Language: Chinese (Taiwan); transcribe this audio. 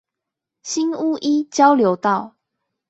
新屋一交流道